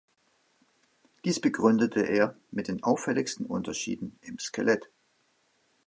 Dies begründete er mit den auffälligen Unterschieden im Skelett.